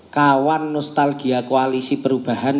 kawan nostalgia koalisi perubahan